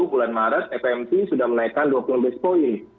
bulan maret fmt sudah menaikkan dua puluh base point